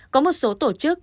có một số tổ chức